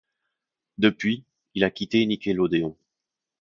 Depuis il a quitté Nickelodeon.